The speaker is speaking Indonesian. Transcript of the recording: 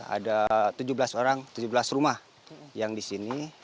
ada tujuh belas rumah yang di sini